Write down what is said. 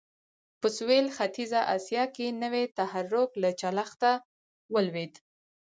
په سوېل ختیځه اسیا کې نوی تحرک له چلښته ولوېد.